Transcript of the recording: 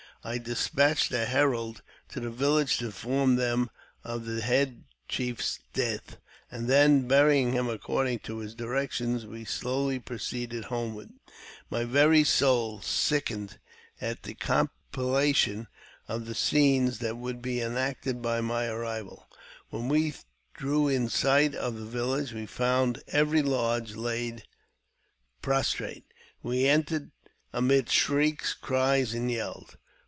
I despatched a herald to the village to inform them of the head chief's death, and then burying him according to his directions we slowly proceeded homeward. My very soul sickened at the contemplation of scenes that would be enacted at my arrival. When we drew in sight of the village, we found every lodge laid prostrate. We entered amid shrieks, cries, and yells.